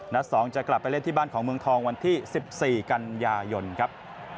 ๒จะกลับไปเล่นที่บ้านของเมืองทองวันที่๑๔กันยายนครับ